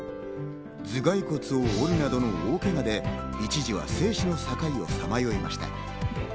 頭蓋骨を折るなどの大けがで、一時は生死の境をさまよいました。